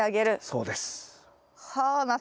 そうです。